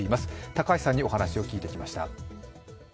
高橋さんにお話を聞いてきました。